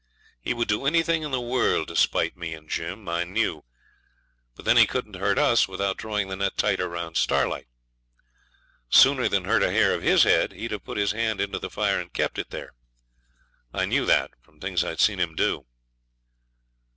He would do anything in the world to spite me and Jim, I knew; but then he couldn't hurt us without drawing the net tighter round Starlight. Sooner than hurt a hair of his head he'd have put his hand into the fire and kept it there. I knew that from things I'd seen him do.